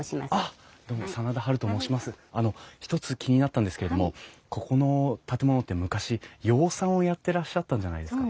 あの１つ気になったんですけれどもここの建物って昔養蚕をやってらっしゃったんじゃないですか？